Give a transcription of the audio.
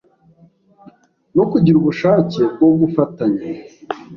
no kugira ubushake bwo gufatanya.